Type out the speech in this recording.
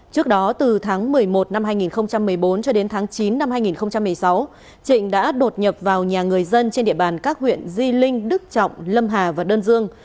trước đó từ tháng một mươi một năm hai nghìn một mươi bốn cho đến tháng chín năm hai nghìn một mươi sáu trịnh đã đột nhập vào nhà người dân trên địa bàn các huyện di linh đức trọng lâm hà và đơn dương